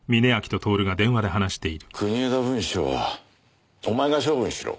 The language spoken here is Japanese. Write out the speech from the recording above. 国枝文書はお前が処分しろ。